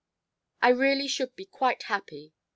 I really should be quite happy.